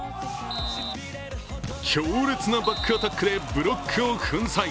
強烈なバックアタックでブロックを粉砕。